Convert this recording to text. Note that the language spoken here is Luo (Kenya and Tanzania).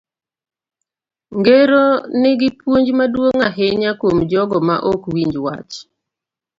Ngero ni nigi puonj maduong' ahinya kuom jogo ma ok winj wach.